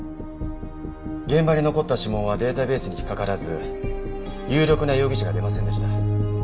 現場に残った指紋はデータベースに引っかからず有力な容疑者が出ませんでした。